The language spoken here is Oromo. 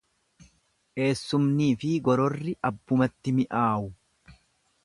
Eessumniifi gororri abbumatti mi'aawu.